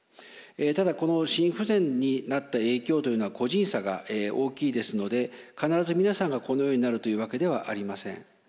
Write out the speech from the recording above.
ただこの心不全になった影響というのは個人差が大きいですので必ず皆さんがこのようになるというわけではありません。